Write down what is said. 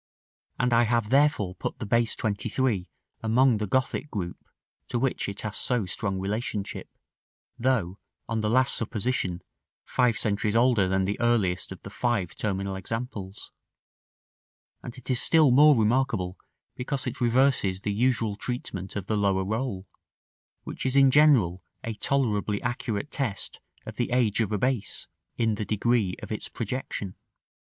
And I have therefore put the base 23 among the Gothic group to which it has so strong relationship, though, on the last supposition, five centuries older than the earliest of the five terminal examples; and it is still more remarkable because it reverses the usual treatment of the lower roll, which is in general a tolerably accurate test of the age of a base, in the degree of its projection.